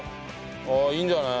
ああいいんじゃない？